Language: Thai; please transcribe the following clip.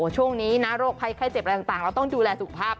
ช่วงนี้นะโรคภัยไข้เจ็บอะไรต่างเราต้องดูแลสุขภาพ